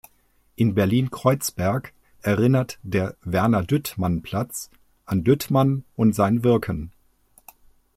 In Berlin-Kreuzberg erinnert der "Werner-Düttmann-Platz" an Düttmann und sein Wirken.